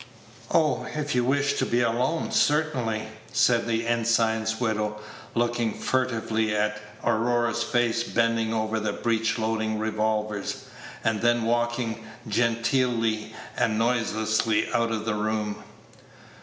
"Oh, if you wish to be alone, certainly," said the ensign's widow, looking furtively at Aurora's face bending over the breech loading revolvers, and then walking genteelly and noiselessly out of the room.